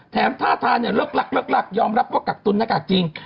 ท่าทางเนี่ยเลิกลักยอมรับว่ากักตุ้นหน้ากากจริง